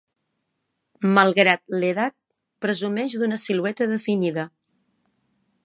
Malgrat l'edat, presumeix d'una silueta definida.